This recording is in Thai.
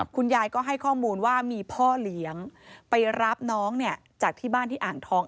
คุณยายก็ให้ข้อมูลว่ามีพ่อเลี้ยงไปรับน้องเนี่ยจากที่บ้านที่อ่างทอง